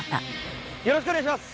よろしくお願いします！